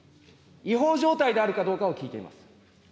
違法状態であるかどうかを聞いています。